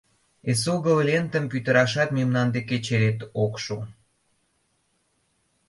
Эсогыл лентым пӱтырашат мемнан деке черет ок шу.